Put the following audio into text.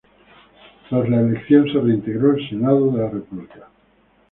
Tras la elección se reintegró al Senado de la República.